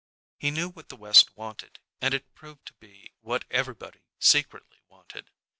He knew what the West wanted, and it proved to be what everybody secretly wanted.